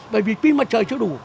bởi vì pin mặt trời chưa đủ